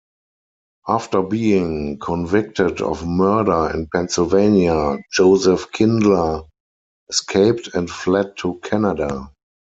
After being convicted of murder in Pennsylvania, Joseph Kindler escaped and fled to Canada.